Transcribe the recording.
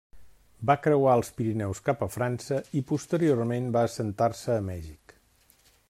Va creuar els Pirineus cap a França i posteriorment va assentar-se a Mèxic.